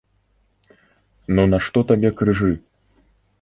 Ну нашто табе крыжы?